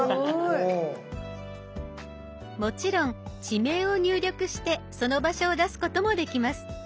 もちろん地名を入力してその場所を出すこともできます。